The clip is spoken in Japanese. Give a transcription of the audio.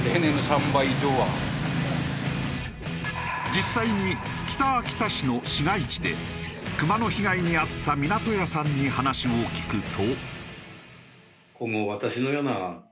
実際に北秋田市の市街地でクマの被害に遭った湊屋さんに話を聞くと。